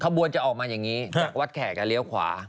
ขบวนจะออกมาอย่างนี้จากวัดแขกจะเลี้ยวขวา